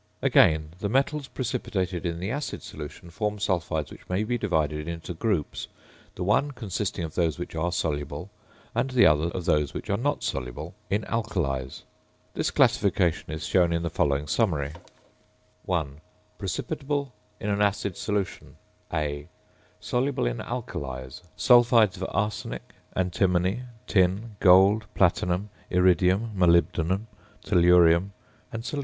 Again, the metals precipitated in the acid solution form sulphides which may be divided into groups, the one consisting of those which are soluble, and the other of those which are not soluble, in alkalies. This classification is shown in the following summary: 1. Precipitable in an acid solution. (a) Soluble in Alkalies. Sulphides of As, Sb, Sn, Au, Pt, Ir, Mo, Te, and Se.